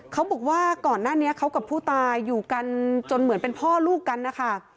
เขาบอกว่าก่อนหน้านี้เขากับผู้ตายอยู่กันจนเหมือนเป็นพ่อลูกกันนะคะ